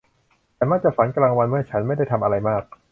ฉันมักจะฝันกลางวันเมื่อฉันไม่ได้ทำอะไรมาก